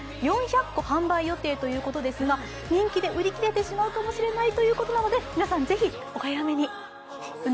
４００個販売予定ということですが売り切れてしまうかもしれないということなので皆さん、ぜひお早めに。